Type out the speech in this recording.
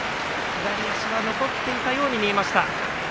左足は残っていたように見えました。